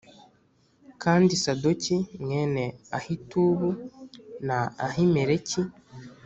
Kandi Sadoki mwene Ahitubu na Ahimeleki